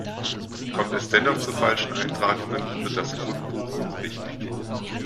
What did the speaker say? Kommt es dennoch zu falschen Eintragungen, wird das Grundbuch unrichtig.